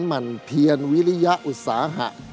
หั่นเทียนวิริยอุตสาหะ